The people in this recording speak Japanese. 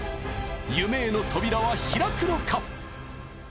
夢への扉は開くのか。